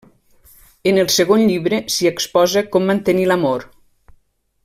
En el segon llibre s'hi exposa com mantenir l'amor.